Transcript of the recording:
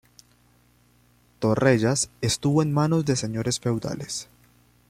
Torrellas estuvo en manos de señores feudales.